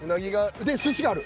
で寿司がある。